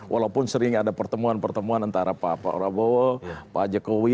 walaupun sering ada pertemuan pertemuan antara pak prabowo pak jokowi